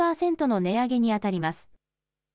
１９％の値上げに当たります。